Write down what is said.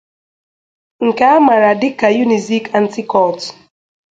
nke a maara dịka Unizik Anti-Cult.